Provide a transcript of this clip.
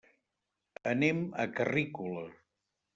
Anem a Carrícola.